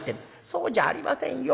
「そうじゃありませんよ。